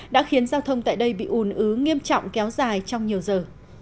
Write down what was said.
đã khiến giao thông tại đây bị ùn ứ nghiêm trọng kéo dài trong nhiều giờ